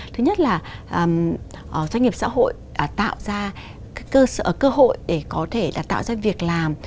thứ nhất là doanh nghiệp xã hội tạo ra cơ hội để có thể tạo ra việc làm